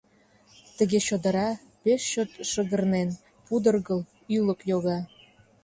Тыге чодыра, пеш чот шыгырнен, пудыргыл, ӱлык йога.